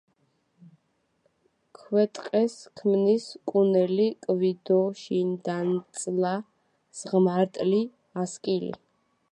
ქვეტყეს ქმნის კუნელი, კვიდო, შინდანწლა, ზღმარტლი, ასკილი.